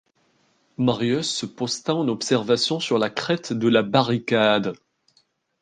Marius se posta en observation sur la crête de la barricade.